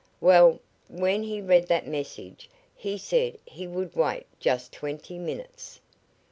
Well, when he read that message he said he would wait just twenty minutes.